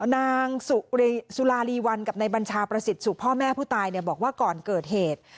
นางสุรารีวันกับนายบัญชาประสิทธิ์สุขพ่อแม่ผู้ตายบอกว่าก่อนเกิดเหตุ